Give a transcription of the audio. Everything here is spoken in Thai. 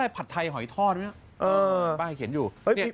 อ๋อบ้านเข็นอยู่